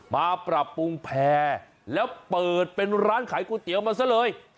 มาปรับปรุงแพร่แล้วเปิดเป็นร้านขายก๋วยเตี๋ยวมาซะเลย